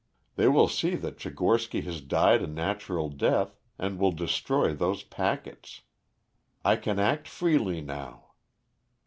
They will see that Tchigorsky has died a natural death and will destroy those packets. I can act freely now."